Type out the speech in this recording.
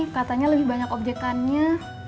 katanya lebih banyak objekannya